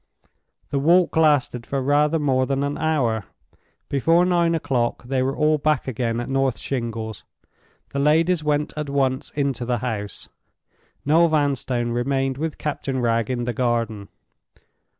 The walk lasted for rather more than an hour. Before nine o'clock they were all back again at North Shingles. The ladies went at once into the house. Noel Vanstone remained with Captain Wragge in the garden.